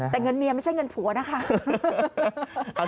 แต่เงินเมียไม่ใช่เงินผัวนะคะ